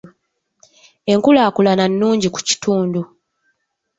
Enkulaakulana nnungi ku kitundu.